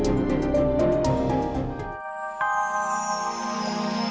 satri kita negara sendiri ini saya penjahat